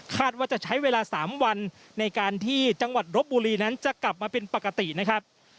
ว่าจะใช้เวลา๓วันในการที่จังหวัดรบบุรีนั้นจะกลับมาเป็นปกตินะครับ